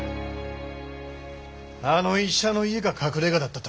あの医者の家が隠れ家だったとは。